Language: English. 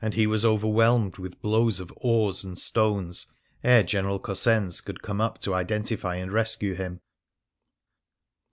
The Lagoon he was overwhelmed with blows of oars and stones ere General Cosenz could come up to identify and rescue him.